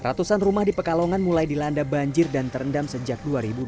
ratusan rumah di pekalongan mulai dilanda banjir dan terendam sejak dua ribu dua puluh